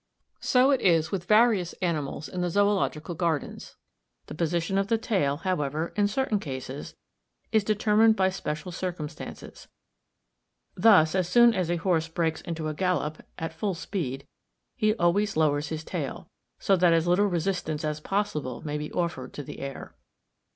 So it is with various animals in the Zoological Gardens. The position of the tail, however, in certain cases, is determined by special circumstances; thus as soon as a horse breaks into a gallop, at full speed, he always lowers his tail, so that as little resistance as possible may be offered to the air.